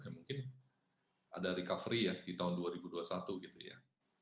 mungkin ada recovery ya di tahun dua ribu dua puluh satu gitu ya